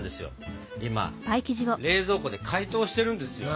今冷蔵庫で解凍してるんですよ。